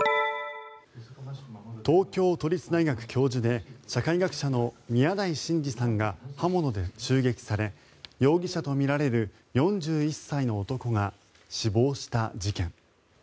東京都立大学教授で社会学者の宮台真司さんが刃物で襲撃され容疑者とみられる４１歳の男が死亡した事件。